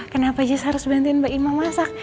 kenapa jess harus bantuin mbak emma masak